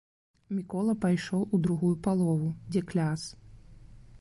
Мікола пайшоў у другую палову, дзе кляс.